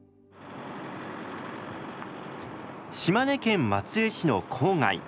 島根県松江市の郊外。